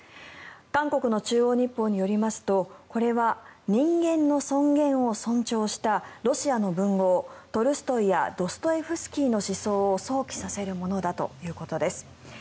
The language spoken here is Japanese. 韓国の中央日報によりますとこれは人間の尊厳を尊重したロシアの文豪、トルストイやドストエフスキーの思想を想起させるものだということです。